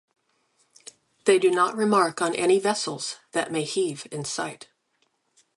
They do not remark on any vessels that may heave in sight.